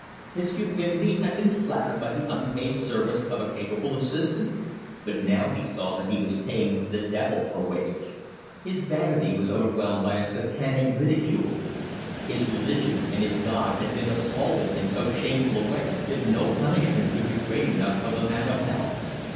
His cupidity had been flattered by the unpaid service of a capable assistant, but now he saw that he was paying the devil a wage. His vanity was overwhelmed by a satanic ridicule. His religion and his God had been assaulted in so shameful a way that no punishment could be great enough for the man of hell.